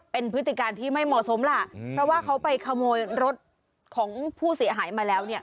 เป็นพฤติการที่ไม่เหมาะสมล่ะเพราะว่าเขาไปขโมยรถของผู้เสียหายมาแล้วเนี่ย